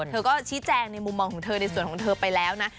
เธอก็ชี้แจงในมุมมองของเธอในส่วนของเธอไปแล้วนะ